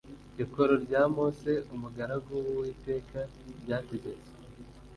Ikoro rya mose umugaragu w uwiteka ryategetswe